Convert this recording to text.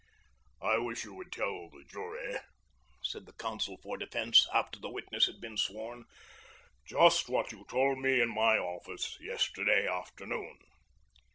"I wish you would tell the jury," said the counsel for defense after the witness had been sworn, "just what you told me in my office yesterday afternoon."